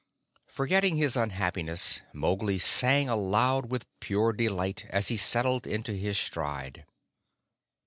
Forgetting his unhappiness, Mowgli sang aloud with pure delight as he settled into his stride.